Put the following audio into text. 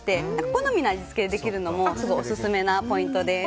好みの味付けにできるのもおすすめのポイントです。